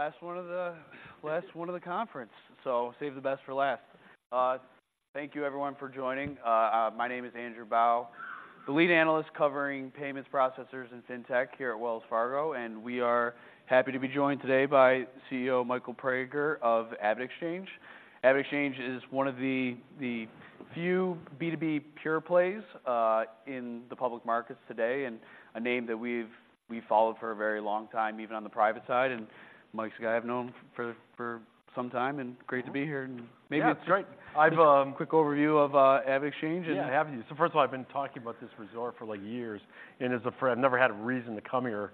Last one of the conference, so save the best for last. Thank you everyone for joining. My name is Andrew Bauch, the lead analyst covering payments, processors, and FinTech here at Wells Fargo, and we are happy to be joined today by CEO Michael Praeger of AvidXchange. AvidXchange is one of the few B2B pure plays in the public markets today, and a name that we've followed for a very long time, even on the private side. And Mike's a guy I've known him for some time, and great to be here, and maybe it's- Yeah, that's right. I have a quick overview of AvidXchange and have you. Yeah. So first of all, I've been talking about this resort for, like, years, and as a friend, I've never had a reason to come here.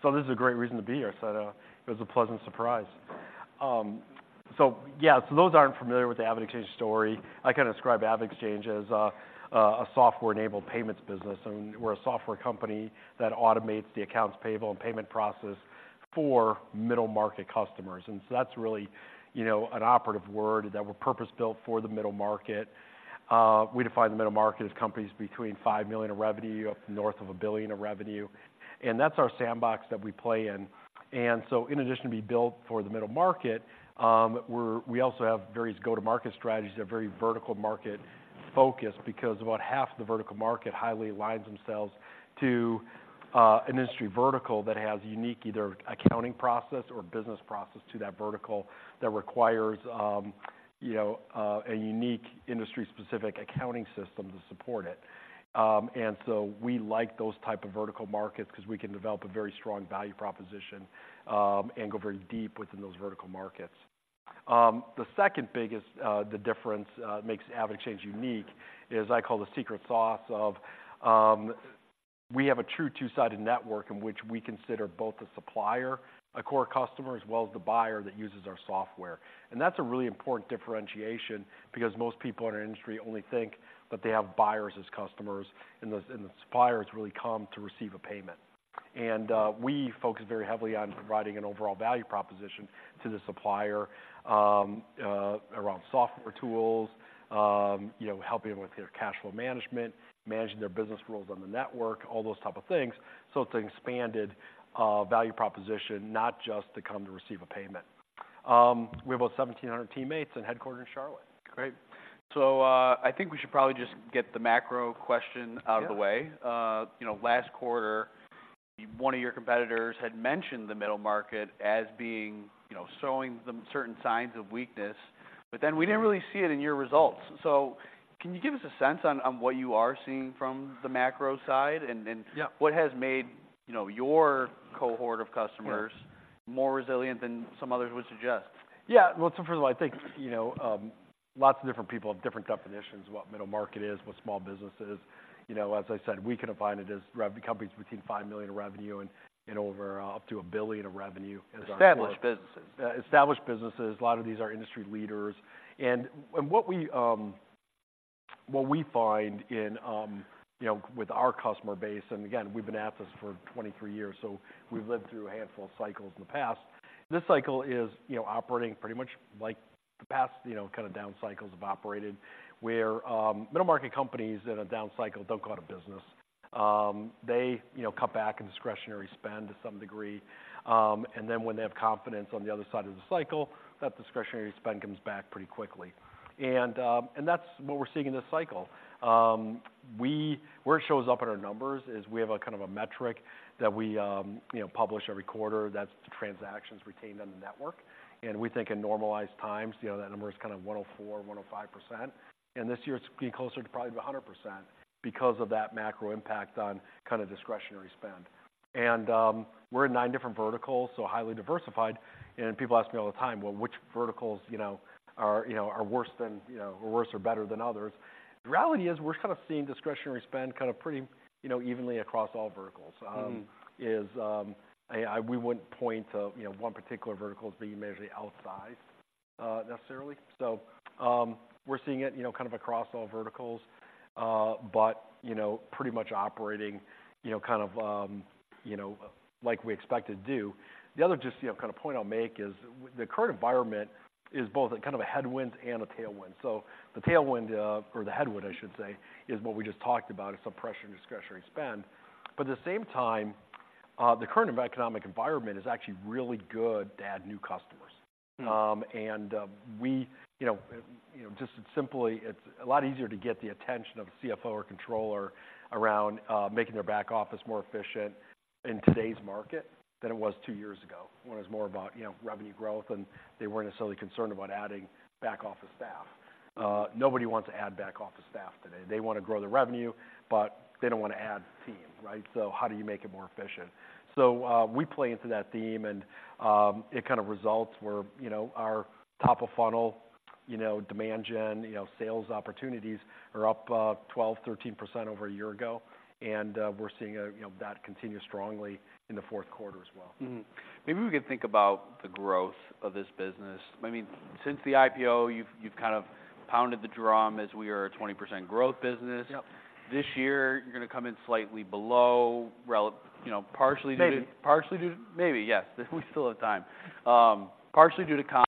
So this is a great reason to be here. So, it was a pleasant surprise. So yeah, so those that aren't familiar with the AvidXchange story, I kind of describe AvidXchange as a software-enabled payments business, and we're a software company that automates the accounts payable and payment process for middle-market customers. And so that's really, you know, an operative word, that we're purpose-built for the middle market. We define the middle market as companies between $5 million of revenue up to north of $1 billion of revenue, and that's our sandbox that we play in. And so in addition to be built for the middle market, we also have various go-to-market strategies that are very vertical market focused, because about half the vertical market highly aligns themselves to an industry vertical that has unique either accounting process or business process to that vertical, that requires, you know, a unique industry-specific accounting system to support it. And so we like those type of vertical markets 'cause we can develop a very strong value proposition, and go very deep within those vertical markets. The second biggest difference that makes AvidXchange unique is I call the secret sauce of... We have a true two-sided network in which we consider both the supplier a core customer, as well as the buyer that uses our software. That's a really important differentiation because most people in our industry only think that they have buyers as customers, and the suppliers really come to receive a payment. We focus very heavily on providing an overall value proposition to the supplier around software tools, you know, helping them with their cash flow management, managing their business rules on the network, all those type of things. So it's an expanded value proposition, not just to come to receive a payment. We have about 1,700 teammates and headquartered in Charlotte. Great. So, I think we should probably just get the macro question- Yeah.. out of the way. You know, last quarter, one of your competitors had mentioned the middle market as being, you know, showing them certain signs of weakness, but then we didn't really see it in your results. So can you give us a sense on what you are seeing from the macro side? Yeah. And what has made, you know, your cohort of customers- Yeah more resilient than some others would suggest? Yeah. Well, so first of all, I think, you know, lots of different people have different definitions of what middle market is, what small business is. You know, as I said, we define it as companies between $5 million in revenue and over up to $1 billion of revenue as our- Established businesses. Established businesses. A lot of these are industry leaders. What we find in, you know, with our customer base, and again, we've been at this for 23 years, so we've lived through a handful of cycles in the p.st. This cycle is, you know, operating pretty much like the past, you know, kind of down cycles have operated, where middle market companies in a down cycle don't go out of business. They, you know, cut back in discretionary spend to some degree, and then when they have confidence on the other side of the cycle, that discretionary spend comes back pretty quickly. That's what we're seeing in this cycle. Where it shows up in our numbers is we have a kind of a metric that we, you know, publish every quarter, that's the transactions retained on the network, and we think in normalized times, you know, that number is kind of 104%-105%, and this year it's being closer to probably 100% because of that macro impact on kind of discretionary spend. We're in nine different verticals, so highly diversified, and people ask me all the time, "Well, which verticals are worse or better than others?" The reality is, we're kind of seeing discretionary spend kind of pretty, you know, evenly across all verticals. Mm-hmm. We wouldn't point to, you know, one particular vertical as being measurably outsized, necessarily. So, we're seeing it, you know, kind of across all verticals, but, you know, pretty much operating, you know, kind of, like we expect it to do. The other just, you know, kind of point I'll make is the current environment is both a kind of a headwind and a tailwind. So the tailwind, or the headwind, I should say, is what we just talked about, is some pressure in discretionary spend. But at the same time, the current economic environment is actually really good to add new customers. Mm. And we, you know, you know, just simply, it's a lot easier to get the attention of a CFO or controller around making their back office more efficient in today's market than it was two years ago, when it was more about, you know, revenue growth, and they weren't necessarily concerned about adding back office staff. Nobody wants to add back office staff today. They want to grow their revenue, but they don't want to add team, right? So how do you make it more efficient? So we play into that theme, and it kind of results where, you know, our top of funnel, you know, demand gen, you know, sales opportunities are up 12%-13% over a year ago. And we're seeing, you know, that continue strongly in the fourth quarter as well. Mm-hmm. Maybe we can think about the growth of this business. I mean, since the IPO, you've kind of pounded the drum as we are a 20% growth business. Yep. This year, you're going to come in slightly below, you know, partially due- Maybe. Partially due... Maybe, yes. We still have time. Partially due to com-...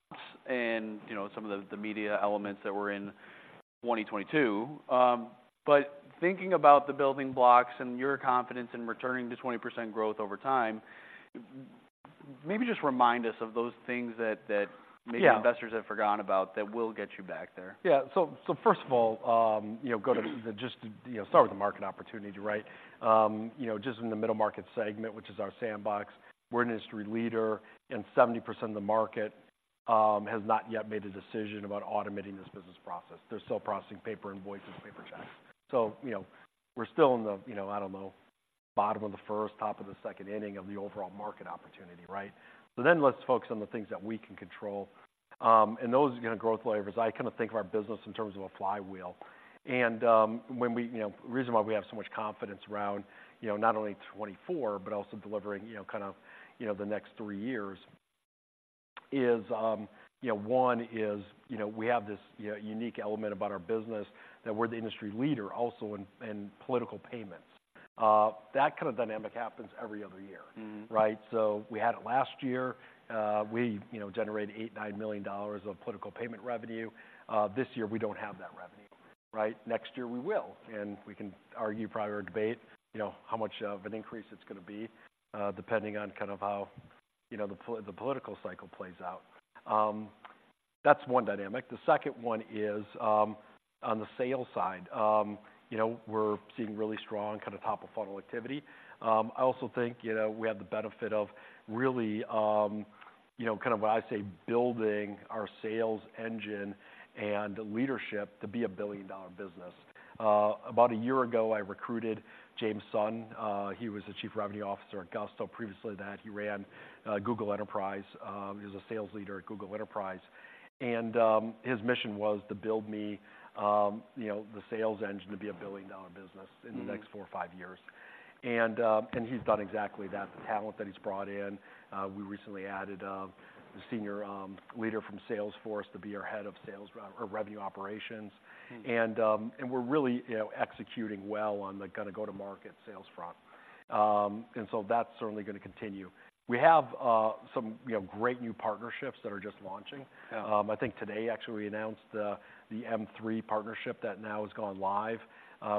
and, you know, some of the media elements that were in 2022. But thinking about the building blocks and your confidence in returning to 20% growth over time, maybe just remind us of those things that... Yeah - Maybe investors have forgotten about that will get you back there. Yeah. So first of all, you know, go to just, you know, start with the market opportunity, right? You know, just in the middle market segment, which is our sandbox, we're an industry leader, and 70% of the market has not yet made a decision about automating this business process. They're still processing paper invoices, paper checks. So, you know, we're still in the, you know, I don't know, bottom of the first, top of the second inning of the overall market opportunity, right? So then let's focus on the things that we can control, and those are gonna growth levers. I kind of think of our business in terms of a flywheel. When you know, the reason why we have so much confidence around, you know, not only 2024, but also delivering, you know, kind of, you know, the next three years is, you know, one is, you know, we have this unique element about our business that we're the industry leader also in political payments. That kind of dynamic happens every other year. Mm-hmm. Right? So we had it last year. We, you know, generated $8-$9 million of political payment revenue. This year, we don't have that revenue, right? Next year, we will, and we can argue or debate, you know, how much of an increase it's gonna be, depending on kind of how, you know, the political cycle plays out. That's one dynamic. The second one is on the sales side. You know, we're seeing really strong kind of top-of-funnel activity. I also think, you know, we have the benefit of really, you know, kind of when I say, building our sales engine and leadership to be a billion-dollar business. About a year ago, I recruited James Sutton. He was the Chief Revenue Officer at Gusto. Previously, that he ran, Google Enterprise, he was a sales leader at Google Enterprise, and, his mission was to build me, you know, the sales engine to be a billion-dollar business- Mm-hmm... in the next four or five years. And he's done exactly that. The talent that he's brought in, we recently added the senior leader from Salesforce to be our head of sales or revenue operations. Mm. We're really, you know, executing well on the kind of go-to-market sales front. And so that's certainly gonna continue. We have some, you know, great new partnerships that are just launching. Yeah. I think today, actually, we announced the M3 partnership that now has gone live.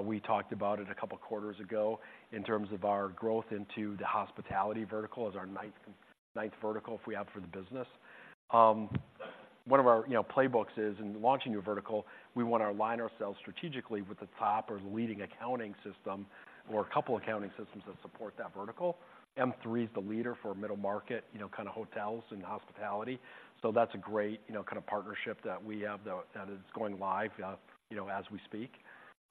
We talked about it a couple of quarters ago in terms of our growth into the hospitality vertical as our ninth vertical, if we have for the business. One of our, you know, playbooks is, in launching a new vertical, we wanna align ourselves strategically with the top or the leading accounting system, or a couple of accounting systems that support that vertical. M3 is the leader for middle market, you know, kind of hotels and hospitality, so that's a great, you know, kind of partnership that we have that is going live, you know, as we speak.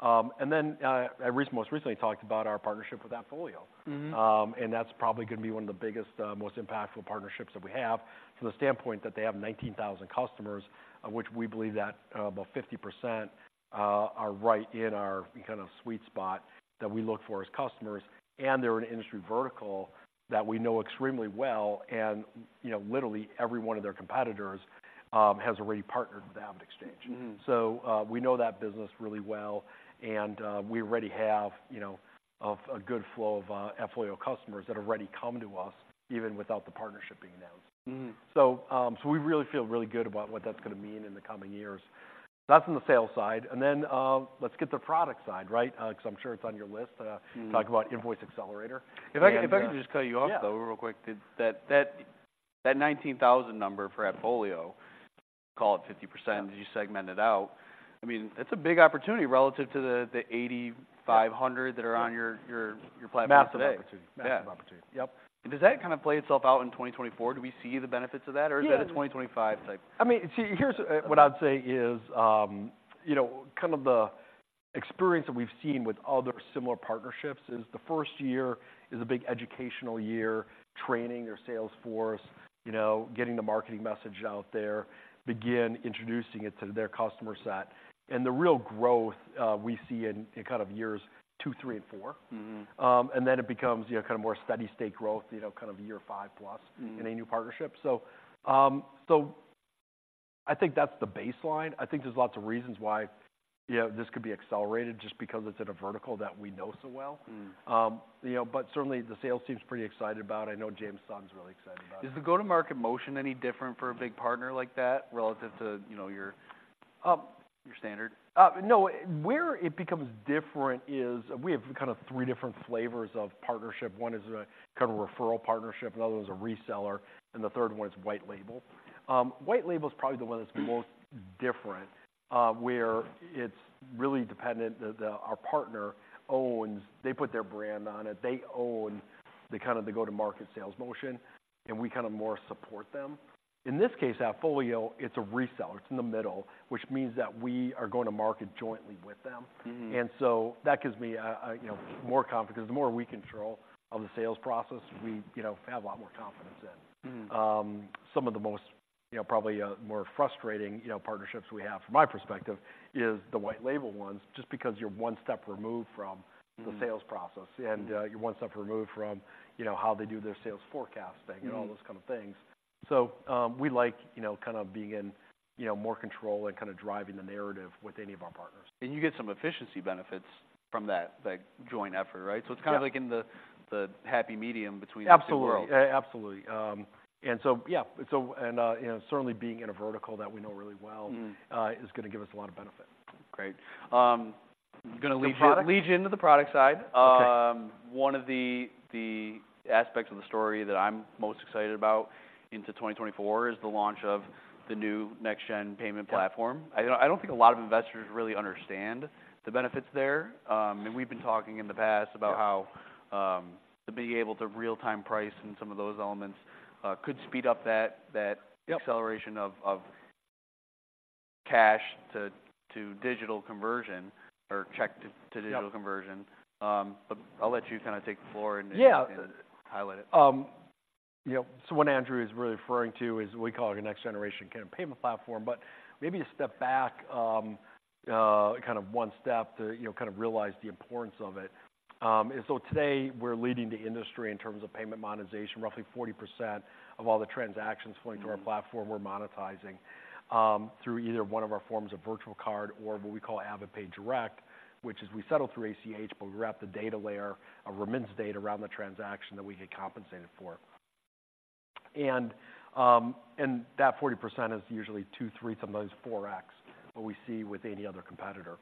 And then, I most recently talked about our partnership with AppFolio. Mm-hmm. And that's probably gonna be one of the biggest, most impactful partnerships that we have from the standpoint that they have 19,000 customers, of which we believe that about 50% are right in our kind of sweet spot that we look for as customers, and they're an industry vertical that we know extremely well, and, you know, literally every one of their competitors has already partnered with AvidXchange. Mm-hmm. We know that business really well, and we already have, you know, a good flow of AppFolio customers that already come to us, even without the partnership being announced. Mm-hmm. So, so we really feel really good about what that's gonna mean in the coming years. That's on the sales side, and then, let's get the product side, right? Because I'm sure it's on your list, Mm... talk about Invoice Accelerator. If I could just cut you off, though- Yeah... real quick. Did that 19,000 number for AppFolio, call it 50%- Yeah... did you segment it out? I mean, that's a big opportunity relative to the 8,500 that are on your platform today. Massive opportunity. Yeah. Massive opportunity. Yep. Does that kind of play itself out in 2024? Do we see the benefits of that? Yeah. Or is that a 2025 type? I mean, see, here's what I'd say is, you know, kind of the experience that we've seen with other similar partnerships is the first year is a big educational year, training their sales force, you know, getting the marketing message out there, begin introducing it to their customer set. And the real growth, we see in kind of years two, three, and four. Mm-hmm. And then it becomes, you know, kind of more steady state growth, you know, kind of year five plus- Mm-hmm... in a new partnership. So, so I think that's the baseline. I think there's lots of reasons why, you know, this could be accelerated just because it's in a vertical that we know so well. Mm. You know, but certainly, the sales team's pretty excited about it. I know James Sutton's really excited about it. Is the go-to-market motion any different for a big partner like that, relative to, you know, your, your standard? No. Where it becomes different is, we have kind of three different flavors of partnership. One is a kind of referral partnership, another one's a reseller, and the third one is white label. White label is probably the one that's the most different, where it's really dependent that our partner owns... They put their brand on it. They own the kind of the go-to-market sales motion, and we kind of more support them. In this case, AppFolio, it's a reseller. It's in the middle, which means that we are going to market jointly with them. Mm-hmm. And so that gives me, you know, more confidence, because the more we control of the sales process, we, you know, have a lot more confidence in. Mm-hmm. Some of the most, you know, probably more frustrating, you know, partnerships we have from my perspective is the white label ones, just because you're one step removed from- Mm... the sales process, and, you're one step removed from, you know, how they do their sales forecasting- Mm-hmm... and all those kind of things. So, we like, you know, kind of being in more control and kind of driving the narrative with any of our partners. You get some efficiency benefits from that, that joint effort, right? Yeah. So it's kind of like in the happy medium between the two worlds. Absolutely. Absolutely. And so, you know, certainly being in a vertical that we know really well- Mm - is gonna give us a lot of benefit. Great. I'm gonna lead you- The product... lead you into the product side. Okay. One of the aspects of the story that I'm most excited about into 2024 is the launch of the new next gen payment platform. Yeah. I don't, I don't think a lot of investors really understand the benefits there. And we've been talking in the past about how- Yeah to be able to real-time price and some of those elements could speed up that, that- Yep acceleration of cash to digital conversion or check to digital conversion. Yep. But I'll let you kind of take the floor and- Yeah and highlight it. You know, so what Andrew is really referring to is, we call it a next generation kind of payment platform. But maybe a step back, kind of one step to, you know, kind of realize the importance of it. And so today, we're leading the industry in terms of payment monetization. Roughly 40% of all the transactions- Mm flowing through our platform, we're monetizing through either one of our forms of virtual card or what we call AvidPay Direct, which is we settle through ACH, but we wrap the data layer, a remittance data around the transaction that we get compensated for. And that 40% is usually 2x, 3x, sometimes 4x what we see with any other competitor.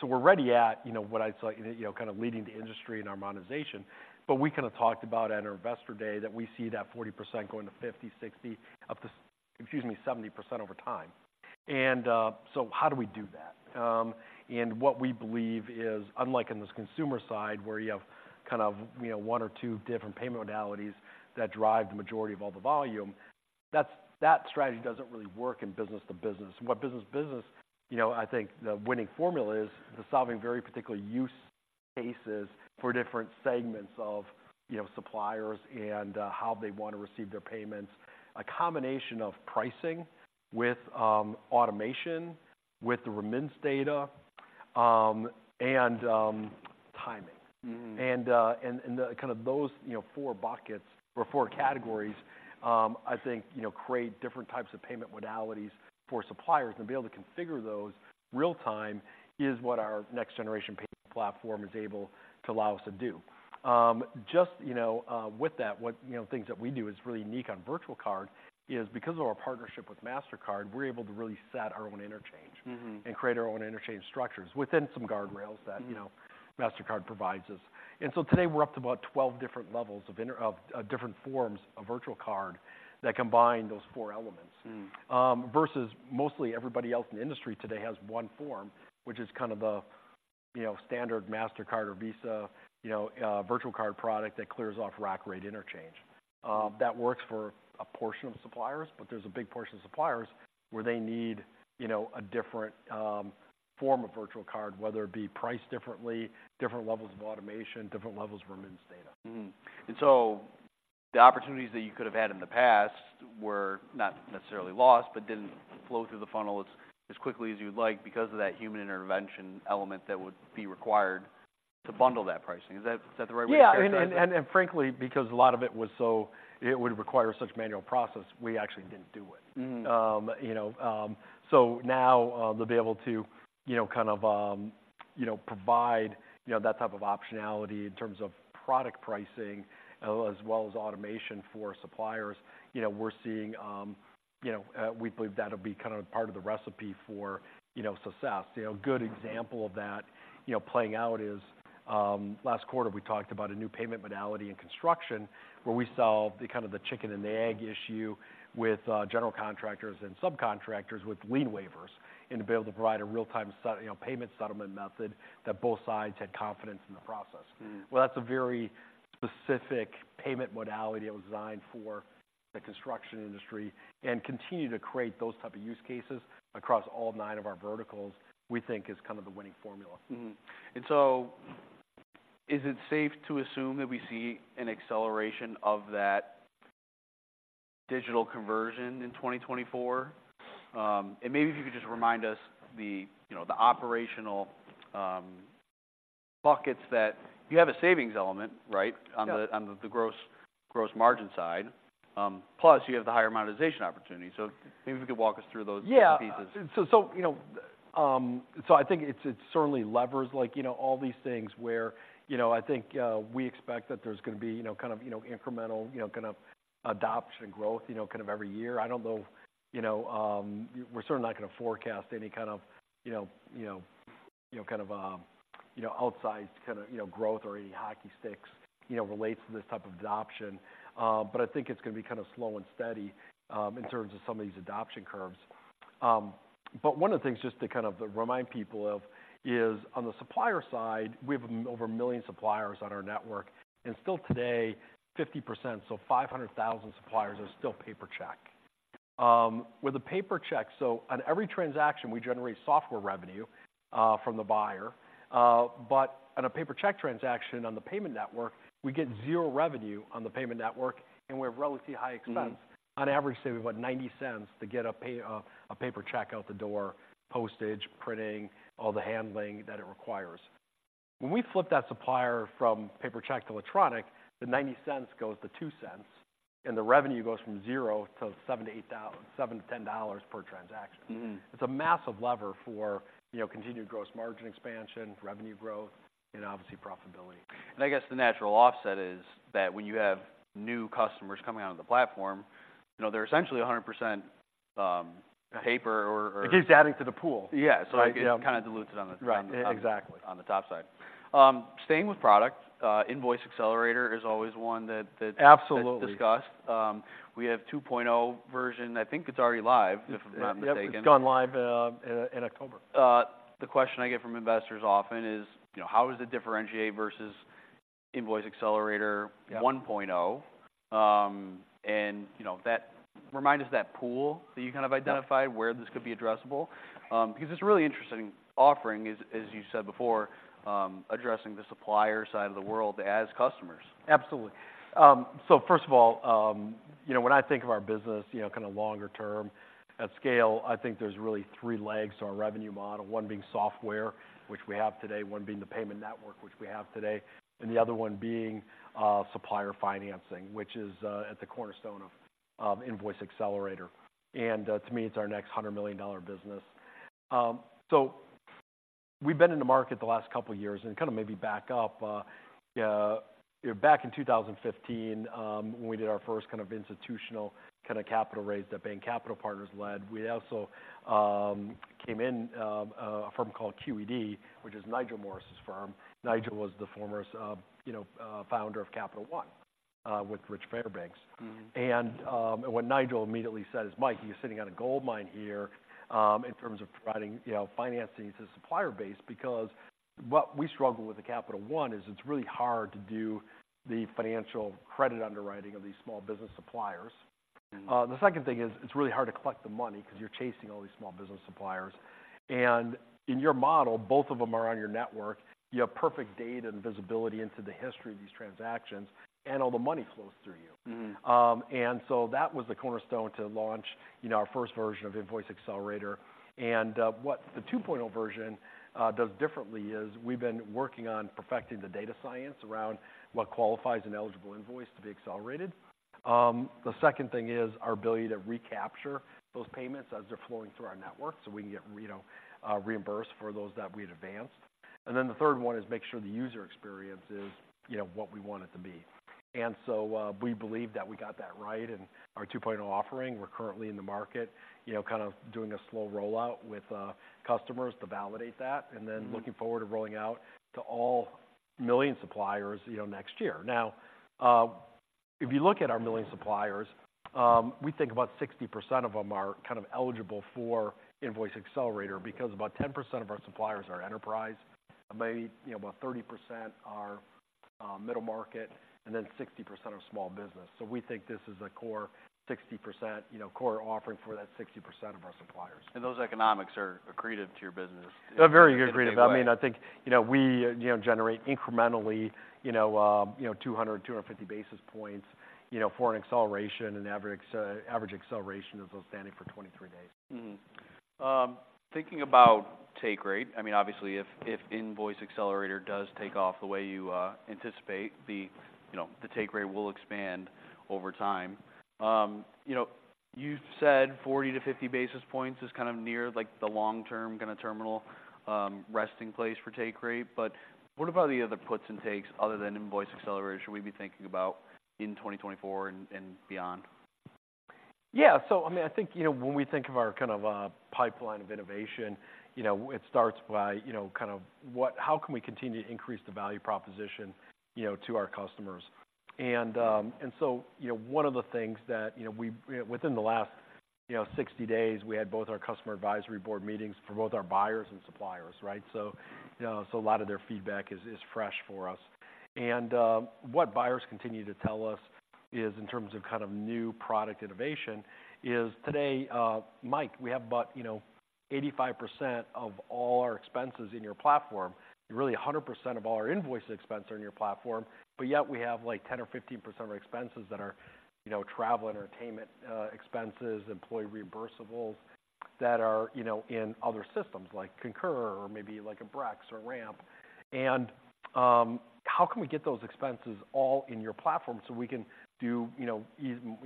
So we're already at, you know, what I'd say, you know, kind of leading the industry in our monetization, but we kind of talked about at our Investor Day that we see that 40% going to 50%, 60%, up to, excuse me, 70% over time. And so how do we do that? And what we believe is, unlike in this consumer side, where you have kind of, you know, one or two different payment modalities that drive the majority of all the volume, that strategy doesn't really work in business-to-business. And what business-to-business, you know, I think the winning formula is solving very particular use cases for different segments of, you know, suppliers and how they want to receive their payments. A combination of pricing with automation, with the remittance data, and timing. Mm-hmm. And the kind of those, you know, four buckets or four categories, I think, you know, create different types of payment modalities for suppliers. To be able to configure those real time is what our next generation payment platform is able to allow us to do. Just, you know, with that, what, you know, things that we do is really unique on virtual card is because of our partnership with Mastercard, we're able to really set our own interchange- Mm-hmm - and create our own interchange structures within some guardrails that- Mm You know, Mastercard provides us. And so today, we're up to about 12 different levels of different forms of virtual card that combine those four elements. Mm. Versus mostly everybody else in the industry today has one form, which is kind of the, you know, standard Mastercard or Visa, you know, Virtual Card product that clears off rack rate interchange. That works for a portion of suppliers, but there's a big portion of suppliers where they need, you know, a different form of Virtual Card, whether it be priced differently, different levels of automation, different levels of remittance data. Mm-hmm. And so the opportunities that you could have had in the past were not necessarily lost, but didn't flow through the funnel as, as quickly as you'd like because of that human intervention element that would be required to bundle that pricing. Is that, is that the right way to characterize? Yeah. And frankly, because a lot of it was so... It would require such manual process, we actually didn't do it. Mm-hmm. You know, so now, to be able to, you know, kind of, you know, provide, you know, that type of optionality in terms of product pricing, as well as automation for suppliers, you know, we're seeing, you know... We believe that'll be kind of part of the recipe for, you know, success. You know, a good example- Mm-hmm Of that, you know, playing out is last quarter, we talked about a new payment modality in construction, where we solved the kind of the chicken and the egg issue with general contractors and subcontractors with lien waivers, and to be able to provide a real-time set, you know, payment settlement method that both sides had confidence in the process. Mm-hmm. Well, that's a very specific payment modality that was designed for the construction industry, and continue to create those type of use cases across all nine of our verticals, we think is kind of the winning formula. Mm-hmm. And so is it safe to assume that we see an acceleration of that digital conversion in 2024? And maybe if you could just remind us the, you know, the operational, buckets, that you have a savings element, right? Yeah. On the gross margin side. Plus, you have the higher monetization opportunity. Maybe if you could walk us through those two pieces. Yeah. So, so, you know, so I think it's, it certainly levers, like, you know, all these things where, you know, I think, we expect that there's gonna be, you know, kind of, you know, incremental, you know, kind of adoption growth, you know, kind of every year. I don't know, you know... We're certainly not gonna forecast any kind of, you know, you know, you know, kind of, you know, outsized kind of, you know, growth or any hockey sticks, you know, relates to this type of adoption. But I think it's gonna be kind of slow and steady, in terms of some of these adoption curves. But one of the things just to kind of remind people of is, on the supplier side, we have over 1 million suppliers on our network, and still today, 50%, so 500,000 suppliers, are still paper check. With a paper check, so on every transaction, we generate software revenue from the buyer, but on a paper check transaction on the payment network, we get zero revenue on the payment network, and we have relatively high expense. Mm. On average, say we've got $0.90 to get a paper check out the door, postage, printing, all the handling that it requires. When we flip that supplier from paper check to electronic, the $0.90 goes to $0.02, and the revenue goes from zero to $7-$10 per transaction. Mm-hmm. It's a massive lever for, you know, continued gross margin expansion, revenue growth, and obviously, profitability. I guess the natural offset is that when you have new customers coming onto the platform, you know, they're essentially 100% paper or, or- It keeps adding to the pool. Yeah. Right, yeah. So it kind of dilutes it on the- Right, exactly.. on the top side. Staying with product, Invoice Accelerator is always one that, that- Absolutely... gets discussed. We have 2.0 version. I think it's already live, if I'm not mistaken. Yep, it's gone live in October. The question I get from investors often is, you know, how does it differentiate versus Invoice Accelerator- Yeah... 1.0? And, you know, that remind us that pool that you kind of identified- Yeah... where this could be addressable. Because it's a really interesting offering, as you said before, addressing the supplier side of the world as customers. Absolutely. So first of all, you know, when I think of our business, you know, kind of longer term, at scale, I think there's really three legs to our revenue model. One being software, which we have today, one being the payment network, which we have today, and the other one being supplier financing, which is at the cornerstone of Invoice Accelerator. And to me, it's our next $100 million business. So we've been in the market the last couple of years, and kind of maybe back up, you know, back in 2015, when we did our first kind of institutional kind of capital raise that Bain Capital Ventures led, we also came in a firm called QED, which is Nigel Morris's firm. Nigel was the former founder of Capital One, you know, with Rich Fairbank. Mm-hmm. What Nigel immediately said is, "Mike, you're sitting on a gold mine here in terms of providing, you know, financing to the supplier base, because what we struggle with at Capital One is it's really hard to do the financial credit underwriting of these small business suppliers. Mm-hmm. The second thing is it's really hard to collect the money because you're chasing all these small business suppliers, and in your model, both of them are on your network. You have perfect data and visibility into the history of these transactions, and all the money flows through you. Mm-hmm. So that was the cornerstone to launch, you know, our first version of Invoice Accelerator. What the 2.0 version does differently is, we've been working on perfecting the data science around what qualifies an eligible invoice to be accelerated. The second thing is our ability to recapture those payments as they're flowing through our network, so we can get, you know, reimbursed for those that we had advanced. And then the third one is make sure the user experience is, you know, what we want it to be. So, we believe that we got that right in our 2.0 offering. We're currently in the market, you know, kind of doing a slow rollout with customers to validate that- Mm-hmm... and then looking forward to rolling out to all 1 million suppliers, you know, next year. Now, if you look at our 1 million suppliers, we think about 60% of them are kind of eligible for Invoice Accelerator, because about 10% of our suppliers are enterprise, maybe, you know, about 30% are middle market, and then 60% are small business. So we think this is a core 60%, you know, core offering for that 60% of our suppliers. Those economics are accretive to your business? They're very accretive. In a big way. I mean, I think, you know, we, you know, generate incrementally, you know, 250 basis points, you know, for an acceleration, and the average acceleration is outstanding for 23 days. Mm-hmm. Thinking about take rate, I mean, obviously, if, if Invoice Accelerator does take off the way you anticipate, you know, the take rate will expand over time. You know, you said 40-50 basis points is kind of near, like, the long-term, kind of terminal, resting place for take rate. But what about the other puts and takes other than Invoice Accelerator, should we be thinking about in 2024 and beyond? Yeah. So I mean, I think, you know, when we think of our kind of pipeline of innovation, you know, it starts by, you know, kind of what—how can we continue to increase the value proposition, you know, to our customers? And, and so, you know, one of the things that, you know, we, within the last, you know, 60 days, we had both our customer advisory board meetings for both our buyers and suppliers, right? So, you know, so a lot of their feedback is fresh for us. What buyers continue to tell us is, in terms of kind of new product innovation, is today, "Mike, we have about, you know, 85% of all our expenses in your platform, and really, 100% of all our invoice expenses are in your platform, but yet we have, like, 10% or 15% of our expenses that are, you know, travel, entertainment, expenses, employee reimbursables, that are, you know, in other systems like Concur or maybe like a Brex or Ramp. And, how can we get those expenses all in your platform so we can do, you know,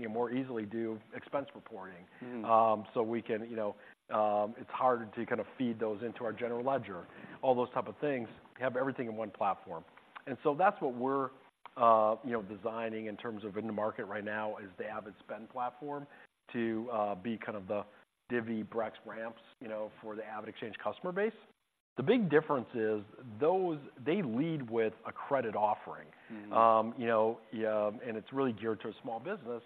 more easily do expense reporting? Mm-hmm. So we can, you know... It's hard to kind of feed those into our general ledger, all those type of things, have everything in one platform." And so that's what we're, you know, designing in terms of in the market right now, is the AvidSpend platform, to be kind of the Divvy, Brex, Ramp, you know, for the AvidXchange customer base. The big difference is, those, they lead with a credit offering. Mm-hmm. You know, it's really geared towards small business,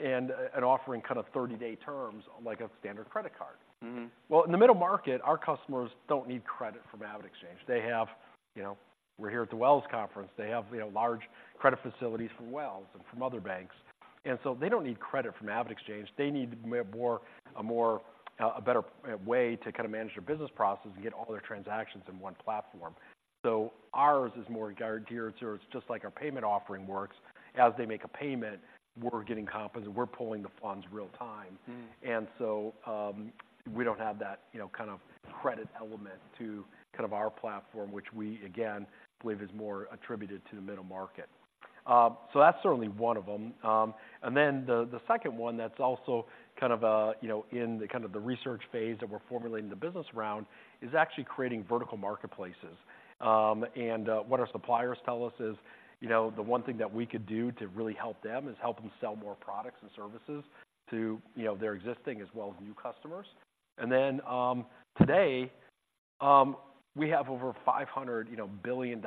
and offering kind of 30-day terms, like a standard credit card. Mm-hmm. Well, in the middle market, our customers don't need credit from AvidXchange. They have... You know, we're here at the Wells conference. They have, you know, large credit facilities from Wells and from other banks, and so they don't need credit from AvidXchange. They need more, a more, a better way to kind of manage their business processes and get all their transactions in one platform. So ours is more geared towards, just like our payment offering works, as they make a payment, we're getting compensated, we're pulling the funds real time. Mm-hmm. And so, we don't have that, you know, kind of credit element to kind of our platform, which we, again, believe is more attributed to the middle market. So that's certainly one of them. And then the second one that's also kind of, you know, in the kind of the research phase that we're formulating the business around, is actually creating vertical marketplaces. And what our suppliers tell us is, you know, the one thing that we could do to really help them, is help them sell more products and services to, you know, their existing, as well as new customers. And then, today, we have over $500 billion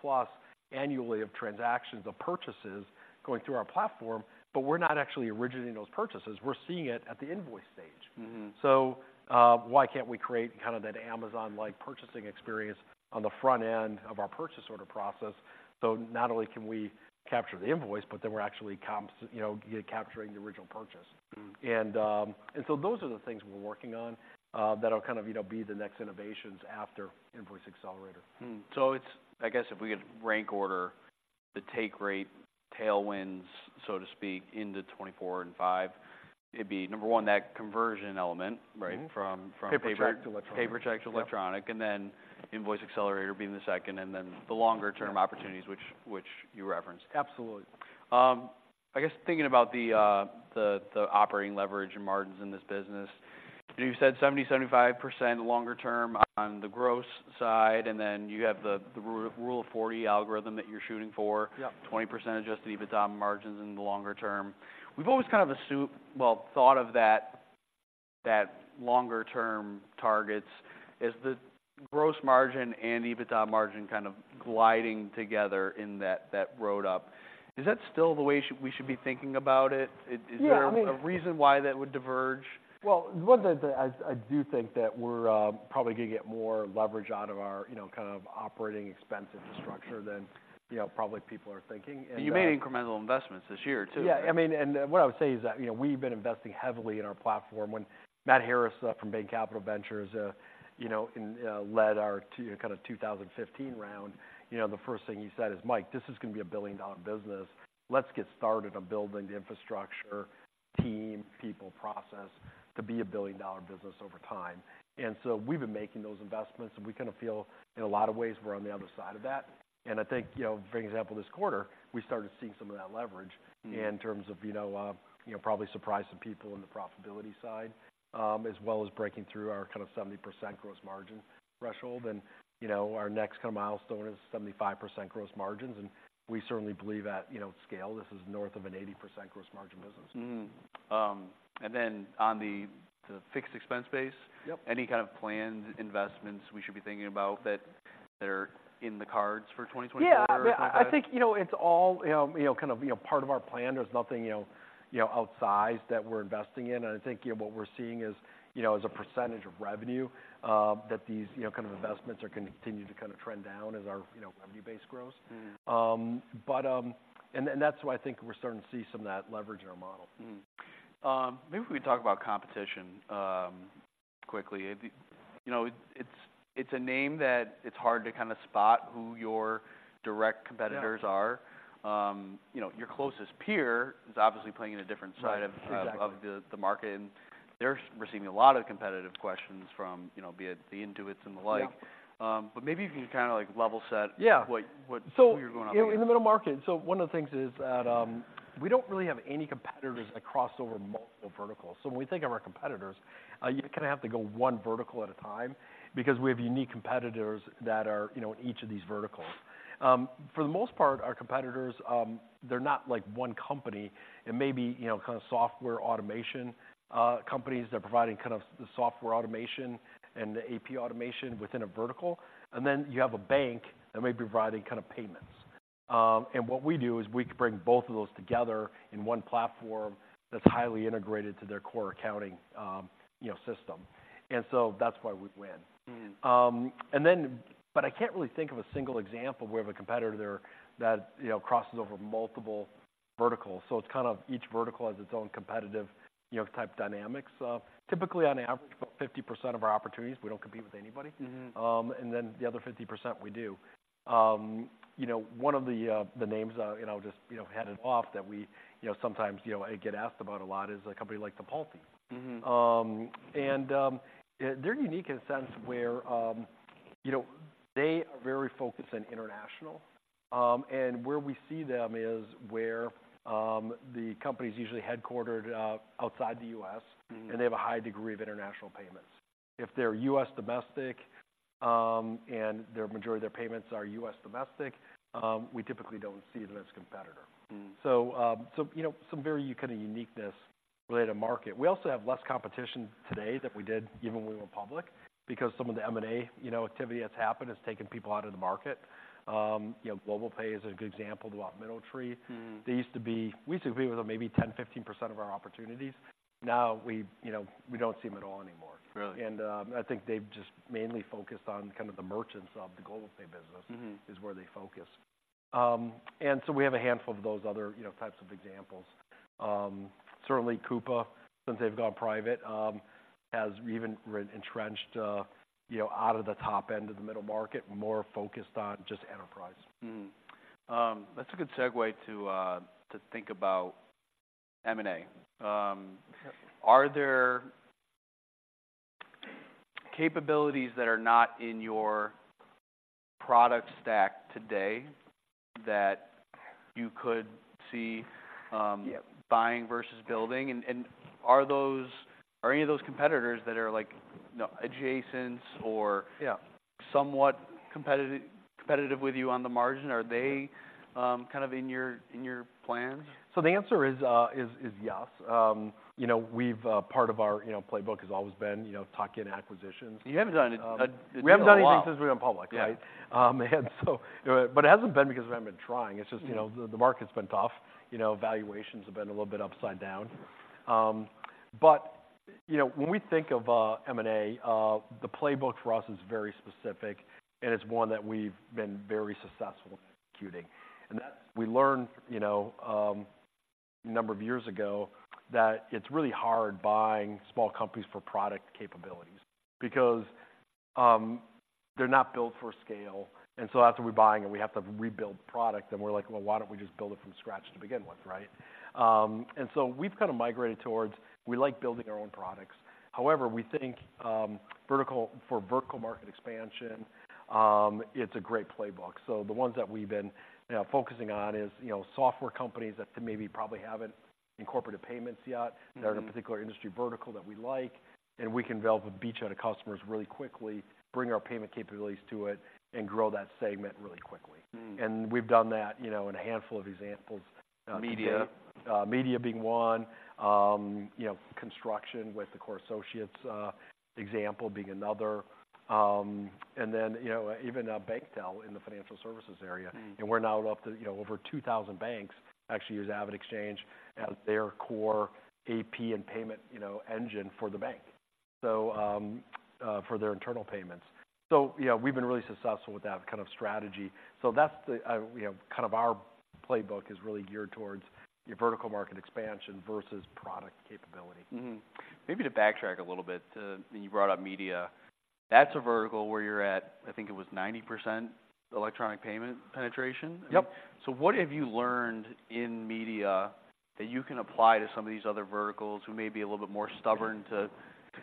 plus annually of transactions, of purchases going through our platform, but we're not actually originating those purchases. We're seeing it at the invoice stage. Mm-hmm. So why can't we create kind of that Amazon-like purchasing experience on the front end of our purchase order process? So not only can we capture the invoice, but then we're actually you know, capturing the original purchase. Mm-hmm. And so those are the things we're working on, that'll kind of, you know, be the next innovations after Invoice Accelerator. So it's, I guess if we could rank order the take rate tailwinds, so to speak, into 2024 and 2025, it'd be, number one, that conversion element, right? Mm-hmm. From, from- Paper check to electronic. Paper check to electronic. Yeah. And then Invoice Accelerator being the second, and then the longer-term opportunities, which you referenced. Absolutely. I guess thinking about the operating leverage and margins in this business, you said 70%-75% longer term on the gross side, and then you have the Rule of 40 algorithm that you're shooting for. Yep. 20% adjusted EBITDA margins in the longer term. We've always kind of well, thought of that, that longer-term targets, as the gross margin and EBITDA margin kind of gliding together in that, that rode up. Is that still the way we should be thinking about it? Yeah, I mean- Is there a reason why that would diverge? Well, one, I do think that we're probably gonna get more leverage out of our, you know, kind of operating expense infrastructure than, you know, probably people are thinking, and You made incremental investments this year, too, right? Yeah, I mean, what I would say is that, you know, we've been investing heavily in our platform. When Matt Harris from Bain Capital Ventures, you know, and led our 2015 round, you know, the first thing he said is, "Mike, this is gonna be a billion-dollar business. Let's get started on building the infrastructure, team, people, process, to be a billion-dollar business over time." And so we've been making those investments, and we kind of feel, in a lot of ways, we're on the other side of that. And I think, you know, for example, this quarter, we started seeing some of that leverage- Mm-hmm... in terms of, you know, you know, probably surprised some people in the profitability side, as well as breaking through our kind of 70% gross margin threshold. And, you know, our next kind of milestone is 75% gross margins, and we certainly believe at, you know, scale, this is north of an 80% gross margin business. Mm-hmm. And then on the fixed expense base- Yep... any kind of planned investments we should be thinking about that are in the cards for 2024? Yeah. Or twenty-five? I think, you know, it's all, you know, kind of, you know, part of our plan. There's nothing, you know, outsized that we're investing in, and I think, you know, what we're seeing is, you know, as a percentage of revenue, that these, you know, kind of investments are gonna continue to kind of trend down as our, you know, revenue base grows. Mm-hmm. But that's why I think we're starting to see some of that leverage in our model. Mm-hmm. Maybe if we could talk about competition quickly. You know, it's a name that it's hard to kind of spot who your direct competitors are. Yeah. You know, your closest peer is obviously playing in a different side of- Right, exactly... of the market, and they're receiving a lot of competitive questions from, you know, be it the Intuit and the like. Yeah. But maybe you can kind of, like, level set. Yeah... what, who you're going up against. In the middle market, one of the things is that we don't really have any competitors that cross over multiple verticals. So when we think of our competitors, you kind of have to go one vertical at a time because we have unique competitors that are, you know, in each of these verticals. For the most part, our competitors, they're not like one company. It may be, you know, kind of software automation companies. They're providing kind of the software automation and the AP automation within a vertical, and then you have a bank that may be providing kind of payments. And what we do is we bring both of those together in one platform that's highly integrated to their core accounting, you know, system. And so that's why we win. Mm-hmm. But I can't really think of a single example where we have a competitor there that, you know, crosses over multiple verticals. So it's kind of each vertical has its own competitive, you know, type dynamics. Typically, on average, about 50% of our opportunities, we don't compete with anybody. Mm-hmm. And then the other 50%, we do. You know, one of the names, you know, just, you know, headed off that we, you know, sometimes, you know, I get asked about a lot is a company like Tipalti. Mm-hmm. They're unique in a sense where, you know, they are very focused on international. Where we see them is where the company's usually headquartered outside the U.S.- Mm-hmm... and they have a high degree of international payments. If they're U.S. domestic, and their majority of their payments are U.S. domestic, we typically don't see them as a competitor. Mm. You know, some very kind of uniqueness related to market. We also have less competition today than we did even when we were public, because some of the M&A, you know, activity that's happened has taken people out of the market. You know, GlobalPay is a good example, about MineralTree. Mm-hmm. They used to be... We used to compete with them maybe 10%-15% of our opportunities. Now we, you know, we don't see them at all anymore. Really? I think they've just mainly focused on kind of the merchants of the GlobalPay business- Mm-hmm... is where they focus. And so we have a handful of those other, you know, types of examples. Certainly Coupa, since they've gone private, has even reentrenched, you know, out of the top end of the middle market, more focused on just enterprise. Mm-hmm. That's a good segue to think about M&A. Are there capabilities that are not in your product stack today that you could see, Yeah buying versus building? And, and are those, are any of those competitors that are like, you know, adjacent or- Yeah somewhat competitive, competitive with you on the margin, are they, kind of in your, in your plans? So the answer is yes. You know, we've part of our, you know, playbook has always been, you know, tuck-in acquisitions. You haven't done it a lot. We haven't done anything since we went public, right? Yeah. But it hasn't been because we haven't been trying. Mm. It's just, you know, the market's been tough. You know, valuations have been a little bit upside down. But, you know, when we think of M&A, the playbook for us is very specific, and it's one that we've been very successful at executing. And that's we learned, you know, a number of years ago, that it's really hard buying small companies for product capabilities because, they're not built for scale, and so after we buy them, we have to rebuild product, and we're like: "Well, why don't we just build it from scratch to begin with," right? And so we've kind of migrated towards we like building our own products. However, we think, for vertical market expansion, it's a great playbook. So the ones that we've been focusing on is, you know, software companies that maybe probably haven't incorporated payments yet- Mm-hmm... that are in a particular industry vertical that we like, and we can develop a beachhead of customers really quickly, bring our payment capabilities to it, and grow that segment really quickly. Mm. We've done that, you know, in a handful of examples, to date. Media. Media being one. You know, construction with the Core Associates, example being another. And then, you know, even BankTel in the financial services area. Mm. We're now up to, you know, over 2,000 banks actually use AvidXchange as their core AP and payment, you know, engine for the bank, so, for their internal payments. You know, we've been really successful with that kind of strategy. That's the, you know, kind of our playbook is really geared towards your vertical market expansion versus product capability. Mm-hmm. Maybe to backtrack a little bit, you brought up media. That's a vertical where you're at, I think it was 90% electronic payment penetration? Yep. What have you learned in media that you can apply to some of these other verticals who may be a little bit more stubborn to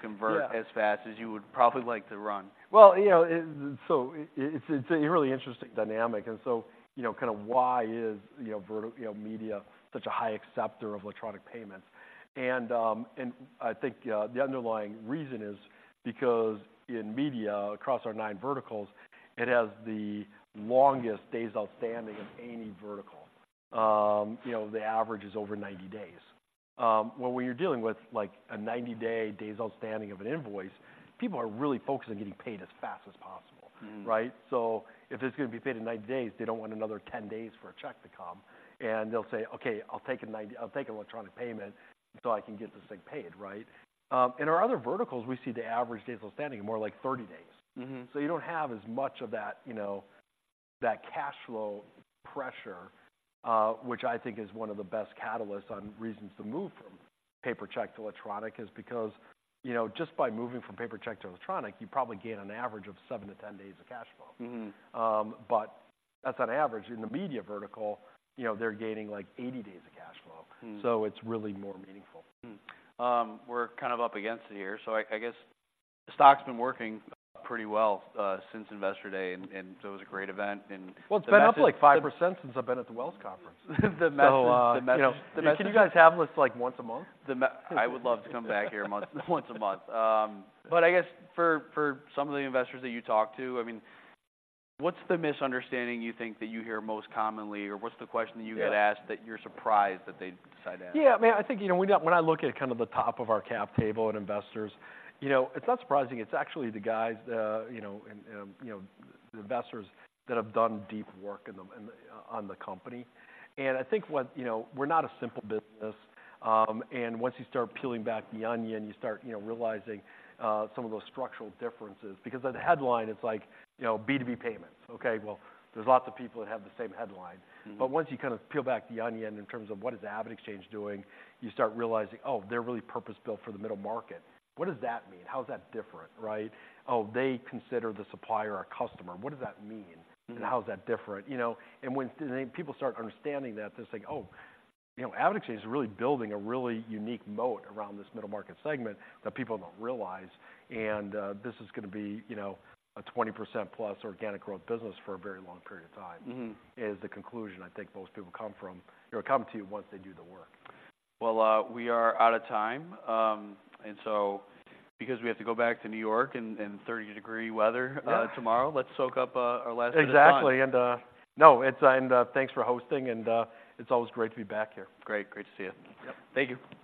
convert? Yeah as fast as you would probably like to run? Well, you know, it's a really interesting dynamic, and so, you know, kind of why is, you know, media such a high acceptor of electronic payments? And I think the underlying reason is because in media, across our nine verticals, it has the longest days outstanding of any vertical. You know, the average is over 90 days. Well, when you're dealing with, like, a 90-day days outstanding of an invoice, people are really focused on getting paid as fast as possible. Mm-hmm. Right? So if it's going to be paid in 90 days, they don't want another 10 days for a check to come, and they'll say, "Okay, I'll take a 90- I'll take an electronic payment, so I can get this thing paid," right? In our other verticals, we see the average days outstanding are more like 30 days. Mm-hmm. So you don't have as much of that, you know, that cash flow pressure, which I think is one of the best catalysts on reasons to move from paper check to electronic, is because, you know, just by moving from paper check to electronic, you probably gain an average of seven to 10 days of cash flow. Mm-hmm. But that's on average. In the media vertical, you know, they're gaining, like, 80 days of cash flow. Mm. So it's really more meaningful. Mm-hmm. We're kind of up against it here. So I guess the stock's been working pretty well since Investor Day, and so it was a great event, and the mess- Well, it's been up, like, 5% since I've been at the Wells Conference. The message- You know, can you guys have this, like, once a month? I would love to come back here once a month. But I guess for some of the investors that you talk to, I mean, what's the misunderstanding you think that you hear most commonly, or what's the question that you- Yeah get asked that you're surprised that they decide to ask? Yeah, I mean, I think, you know, when I, when I look at kind of the top of our cap table and investors, you know, it's not surprising. It's actually the guys, you know, and, and, you know, the investors that have done deep work in the, in the, on the company. And I think what... You know, we're not a simple business, and once you start peeling back the onion, you start, you know, realizing, some of those structural differences. Because the headline, it's like, you know, B2B payments. Okay, well, there's lots of people that have the same headline. Mm. But once you kind of peel back the onion in terms of what is AvidXchange doing, you start realizing: Oh, they're really purpose-built for the middle market. What does that mean? How is that different, right? Oh, they consider the supplier a customer. What does that mean- Mm - and how is that different, you know? And when the people start understanding that, they're saying: "Oh, you know, AvidXchange is really building a really unique moat around this middle market segment that people don't realize, and this is going to be, you know, a 20%+ organic growth business for a very long period of time- Mm-hmm is the conclusion I think most people come from, or come to, once they do the work. Well, we are out of time, and so because we have to go back to New York and 30-degree weather- Yeah. Tomorrow, let's soak up our last bit of time. Exactly, and... No, and, thanks for hosting, and, it's always great to be back here. Great. Great to see you. Yep. Thank you.